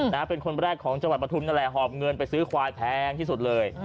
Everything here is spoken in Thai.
เป็นคนแรกของจังหวัดประทุมนั่นแหละหอบเงินไปซื้อควายแพงที่สุดเลย